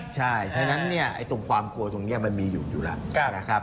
ใช่ฉะนั้นตรงความกลัวตรงนี้มันมีอยู่แล้ว